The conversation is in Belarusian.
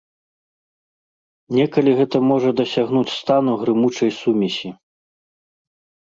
Некалі гэта можа дасягнуць стану грымучай сумесі.